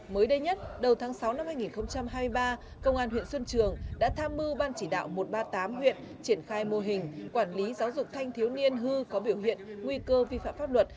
mới đây nhất đầu tháng sáu năm hai nghìn hai mươi ba công an huyện xuân trường đã tham mưu ban chỉ đạo một trăm ba mươi tám huyện triển khai mô hình quản lý giáo dục thanh thiếu niên hư có biểu hiện nguy cơ vi phạm pháp luật